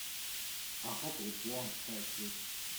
I hope it won't hurt you.